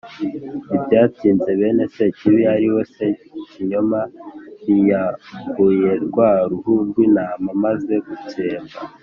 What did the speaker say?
Ntibyatinze, bene Sekibi ariwe Sekinyoma biyambuye rwa ruhu rw'Intama maze gutsemba